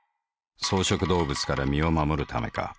草食動物から身を護るためか。